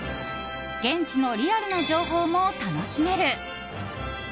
現地のリアルな情報も楽しめる。